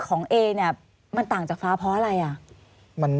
เอเนี่ยมันต่างจากฟ้าเพราะอะไรอ่ะ